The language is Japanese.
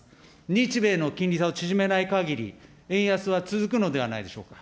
日米の金利差を縮めないかぎり、円安は続くのではないでしょうか。